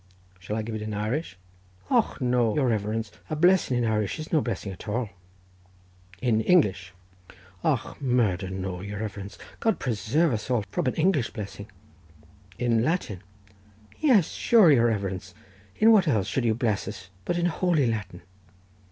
"Shall I give it in Irish?" "Och, no, your reverence—a blessing in Irish is no blessing at all." "In English?" "Och, murder, no, your reverence, God preserve us all from an English blessing." "In Latin?" "Yes, sure, your reverence; in what else should you bless us but in holy Latin?"